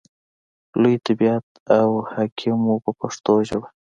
لوی طبیب او حکیم و په پښتو ژبه.